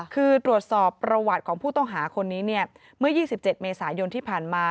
คือตรวจสอบประวัติของผู้ต้องหาคนนี้เมื่อ๒๗เมษายนที่ผ่านมา